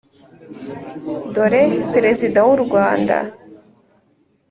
dore perezida w’u rwanda